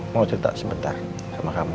mau cerita sebentar sama kamu